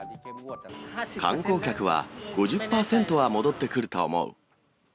観光客は５０％は戻ってくると思う。